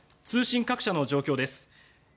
通信各社の状況です。